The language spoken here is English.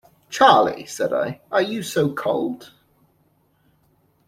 "Charley," said I, "are you so cold?"